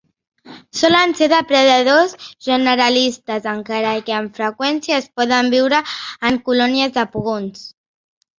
Solen ser depredadors generalistes, encara que amb freqüència es poden veure en colònies de pugons.